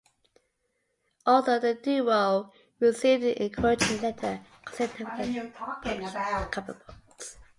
Although the duo received an encouraging letter, Consolidated never again published comic books.